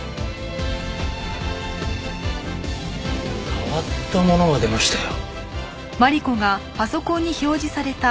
変わったものが出ましたよ。